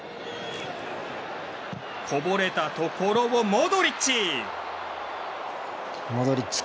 こぼれたところをモドリッチ！